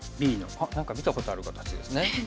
あっ何か見たことある形ですね。